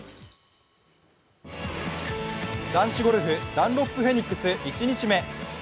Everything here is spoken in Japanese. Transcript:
男子ゴルフダンロップフェニックス１日目。